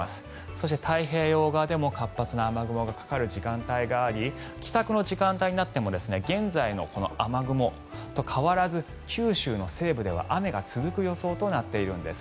そして、太平洋側でも活発な雨雲がかかる時間帯があり帰宅の時間帯になっても現在の雨雲と変わらず九州の西部では雨が続く予想となっているんです。